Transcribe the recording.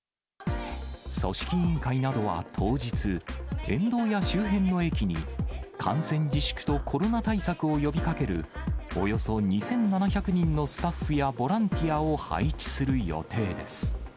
組織委員会などは当日、沿道や周辺の駅に、観戦自粛とコロナ対策を呼びかける、およそ２７００人のスタッフやボランティアを配置する予定です。